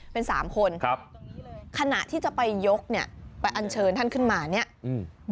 เป็นสามคนครับขณะที่จะไปยกเนี้ยไปอันเชิญท่านขึ้นมาเนี้ยอืม